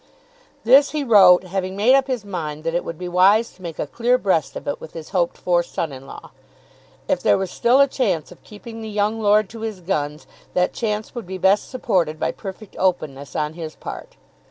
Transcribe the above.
This he wrote, having made up his mind that it would be wise to make a clear breast of it with his hoped for son in law. If there was still a chance of keeping the young lord to his guns that chance would be best supported by perfect openness on his part.